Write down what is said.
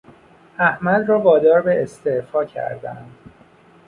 احمد را وادار به استعفا کردند.